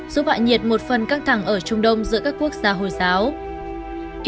giúp hạ nhiệt một phần căng thẳng ở trung đông giữa các quốc gia hồi giáo